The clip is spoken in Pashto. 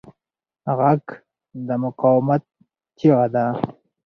غږ د مقاومت چیغه ده